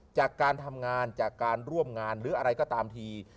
จากการทำงานจากการร่วมงานหรืออะไรก็ตามที